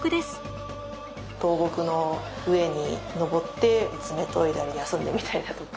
倒木の上に登って爪研いだり休んでみたりだとか。